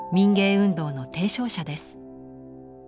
運動の提唱者です。